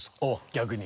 逆に。